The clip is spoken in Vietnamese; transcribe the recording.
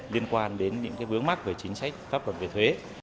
liên quan đến những vướng mắt về chính sách pháp luật về thuế